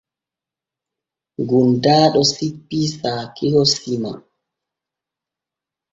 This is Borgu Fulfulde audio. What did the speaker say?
Gondaaɗo sippii saakiho sima.